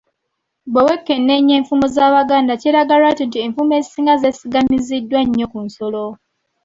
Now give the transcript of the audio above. Bwe wekenneenya enfumo z’Abaganda kyeraga lwatu nti enfumo ezisinga zeesigamiziddwa nnyo ku nsolo.